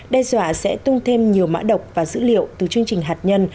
đe dọa sẽ tung thêm nhiều mã độc và dữ liệu từ chương trình hạt nhân